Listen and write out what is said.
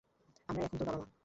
আমরাই এখন তোর বাবা-মা।